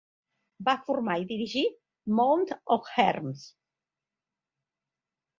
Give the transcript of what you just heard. Va formar i dirigir "Mouth of Hermes".